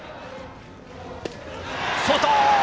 外！